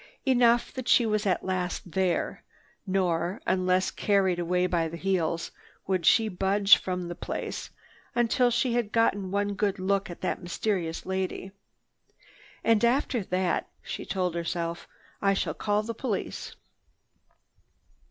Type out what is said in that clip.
Enough that she at last was there, nor, unless carried away by the heels, would she budge from the place until she had gotten one good look at that mysterious lady. "And after that," she told herself, "I shall call the police."